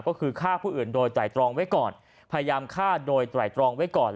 ก็คือฆ่าผู้อื่นโดยไตรตรองไว้ก่อนพยายามฆ่าโดยไตรตรองไว้ก่อน